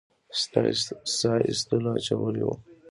ساه ایستلو اچولي وو.